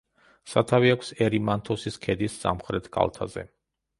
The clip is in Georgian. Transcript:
სათავე აქვს ერიმანთოსის ქედის სამხრეთ კალთაზე.